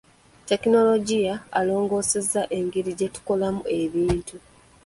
Tekinologiya alongoosezza engeri gye tukolamu ebintu.